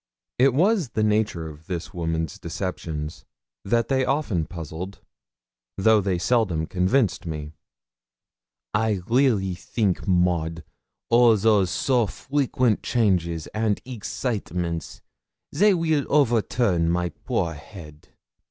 It was the nature of this woman's deceptions that they often puzzled though they seldom convinced me. 'I re ally think, Maud, all those so frequent changes and excite ments they weel overturn my poor head.'